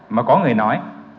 mà có người nói